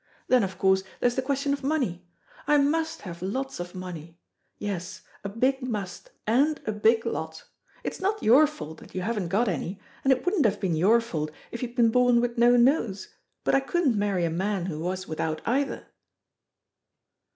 Then, of course, there's the question of money. I must have lots of money. Yes, a big must and a big lot. It's not your fault that you haven't got any, and it wouldn't have been your fault if you'd been born with no nose; but I couldn't marry a man who was without either."